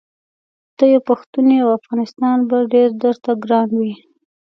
ته یو پښتون یې او افغانستان به ډېر درته ګران وي.